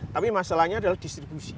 tapi masalahnya adalah distribusi